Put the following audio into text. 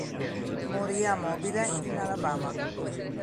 Morì a Mobile in Alabama.